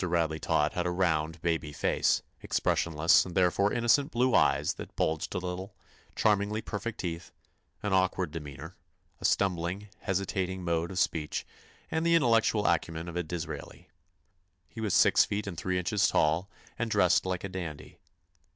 Radley Todd had a round, baby face; expressionless and therefore innocent blue eyes that bulged a little; charmingly perfect teeth; an awkward demeanor; a stumbling, hesitating mode of speech and the intellectual acumen of a Disraeli. He was six feet and three inches tall and dressed like a dandy.